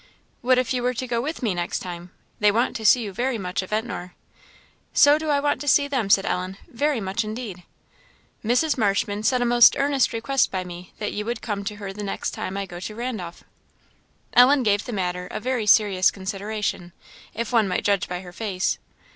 "What if you were to go with me next time? They want to see you very much at Ventnor." "So do I want to see them," said Ellen, "very much indeed." "Mrs. Marshman sent a most earnest request by me that you would come to her the next time I go to Randolph." Ellen gave the matter a very serious consideration if one might judge by her face.